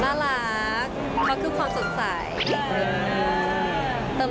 น่ารักเพราะคือความสดใส